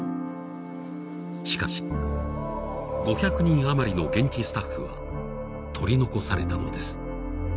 しかし、５００人余りの現地スタッフは取り残されたのです。